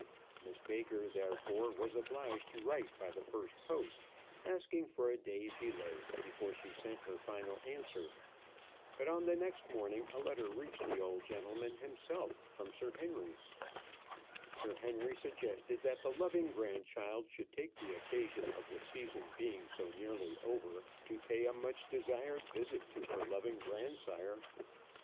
Miss Baker, therefore, was obliged to write by the first post, asking for a day's delay before she sent her final answer. But on the next morning a letter reached the old gentleman himself, from Sir Henry. Sir Henry suggested that the loving grandchild should take the occasion of the season being so nearly over to pay a much desired visit to her loving grandsire.